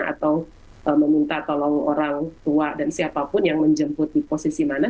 atau meminta tolong orang tua dan siapapun yang menjemput di posisi mana